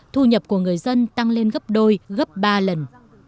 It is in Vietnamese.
thu nhập của người dân tăng lên gấp đôi gấp ba lần